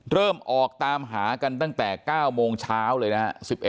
เริ่มออกตามหากันตั้งแต่๙โมงเช้าเลยนะฮะ